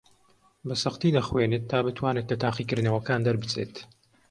بەسەختی دەخوێنێت تا بتوانێت لە تاقیکردنەوەکان دەربچێت.